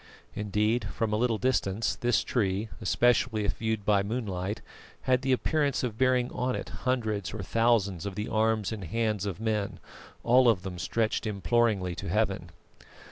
Indeed, from a little distance this tree, especially if viewed by moonlight, had the appearance of bearing on it hundreds or thousands of the arms and hands of men, all of them stretched imploringly to Heaven.